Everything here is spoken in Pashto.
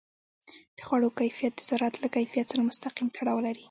د خوړو کیفیت د زراعت له کیفیت سره مستقیم تړاو لري.